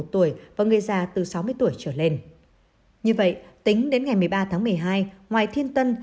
sáu mươi tuổi và người già từ sáu mươi tuổi trở lên như vậy tính đến ngày một mươi ba tháng một mươi hai ngoài thiên tân